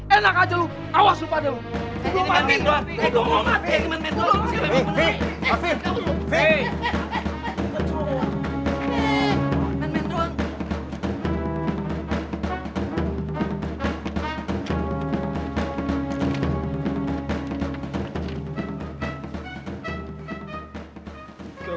enak aja lu awas lu pada lu